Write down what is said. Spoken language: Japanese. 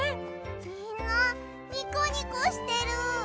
みんなニコニコしてる。